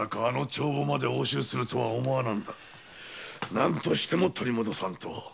何としても取り戻さねば。